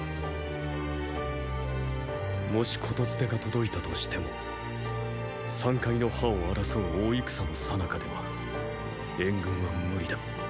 もし言伝が届いたとしても山界の覇を争う大戦のさなかでは援軍は無理だ。